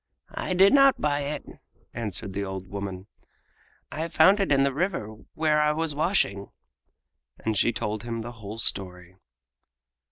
"I did not buy it," answered the old woman. "I found it in the river where I was washing." And she told him the whole story.